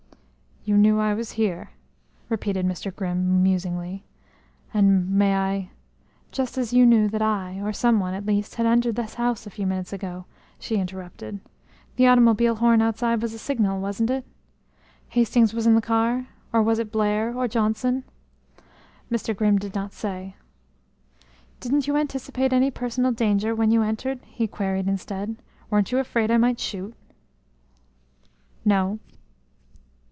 "You knew I was here," repeated Mr. Grimm musingly. "And, may I ?" "Just as you knew that I, or some one, at least, had entered this house a few minutes ago," she interrupted. "The automobile horn outside was a signal, wasn't it? Hastings was in the car? Or was it Blair or Johnson?" Mr. Grimm did not say. "Didn't you anticipate any personal danger when you entered?" he queried instead. "Weren't you afraid I might shoot?" "No."